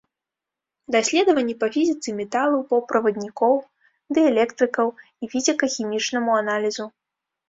Даследаванні па фізіцы металаў, паўправаднікоў, дыэлектрыкаў і фізіка-хімічнаму аналізу.